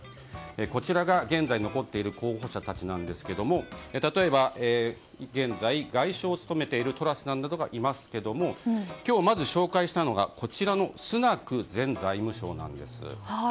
こちらが現在残っている候補者たちですが例えば、現在外相を務めているトラスさんなどいますが今日まず紹介したいのがこちらのスナク前財務相です。